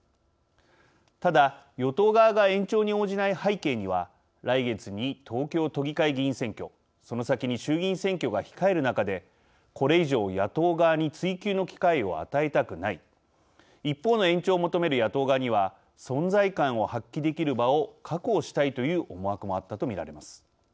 ただ、与党側が延長に応じない背景には来月に東京都議会議員選挙その先に衆議院選挙が控える中でこれ以上、野党側に追及の機会を与えたくない一方の延長を求める野党側には存在感を発揮できる場を確保したいという思惑もあったと見られます。